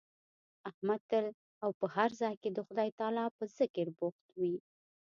احمد تل او په هر ځای کې د خدای تعالی په ذکر بوخت وي.